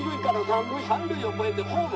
「三塁を越えてホーム」。